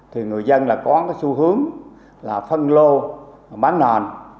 thì người dân là có cái xu hướng là phân lô bán nền